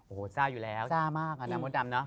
โอ้โหซ่าอยู่แล้วซ่ามากอ่ะนะมดดำเนอ